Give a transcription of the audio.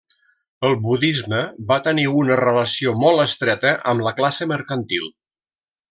El budisme va tenir una relació molt estreta amb la classe mercantil.